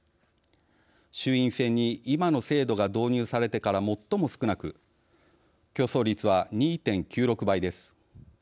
衆院選に今の制度が導入されてから最も少なく競争率は２．９６倍です。